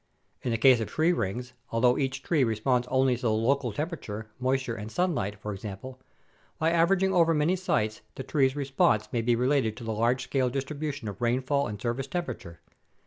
In the case of tree rings, although each tree responds only to the local temperature, moisture, and sun light, for example, by averaging over many sites, the trees' response may be related to the large scale distribution of rainfall and surface tempera ture.